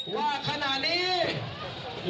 ว่าขณะนี้